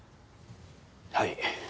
はい。